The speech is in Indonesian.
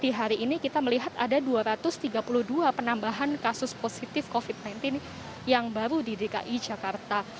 di hari ini kita melihat ada dua ratus tiga puluh dua penambahan kasus positif covid sembilan belas yang baru di dki jakarta